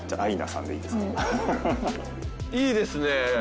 いいですね。